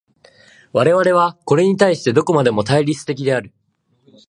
我々はこれに対してどこまでも対立的である。